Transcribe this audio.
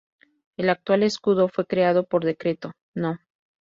El actual escudo fue creado por Decreto No.